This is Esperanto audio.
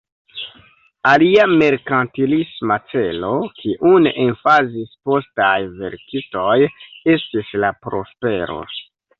Alia merkantilisma celo, kiun emfazis postaj verkistoj, estis la prospero.